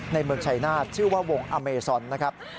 เมืองชายนาฏชื่อว่าวงอเมซอนนะครับ